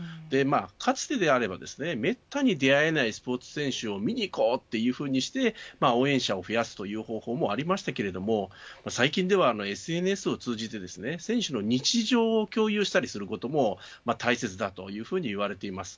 かつてであれば、めったに出会えないスポーツ選手を見にいこうというふうに応援者を増やすという方法もありましたけれど最近ではＳＮＳを通じて選手の日常を共有することも大切だというふうに言われています。